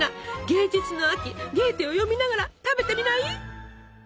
芸術の秋ゲーテを読みながら食べてみない？